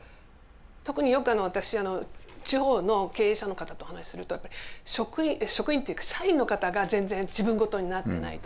特によく私地方の経営者の方とお話しすると職員というか社員の方が全然自分事になってないと。